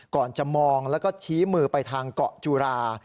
ก่อนจะมองแล้วก็ชี้มือไปทางเกาะจุรา